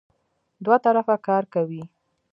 دوه طرفه کار کوي.